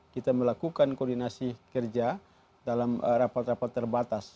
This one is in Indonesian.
kita melakukan koordinasi kerja dalam rapat rapat terbatas